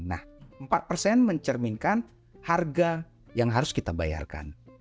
nah empat persen mencerminkan harga yang harus kita bayarkan